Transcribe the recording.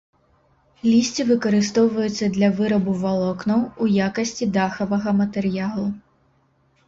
Лісце выкарыстоўваецца для вырабу валокнаў, у якасці дахавага матэрыялу.